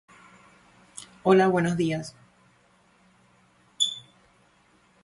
La tabla debajo muestra los mejores saltadores de esquí de cada temporada.